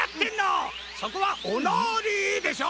そこは「おなり」でしょ！